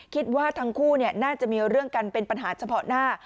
คิดว่าทั้งคู่น่าจะมีเรื่องกันเป็นปัญหาเฉพาะหน้า